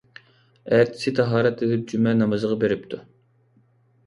ئەتىسى تاھارەت ئېلىپ جۈمە نامىزىغا بېرىپتۇ.